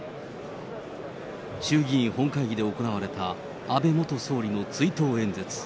衆議院本会議で行われた安倍元総理の追悼演説。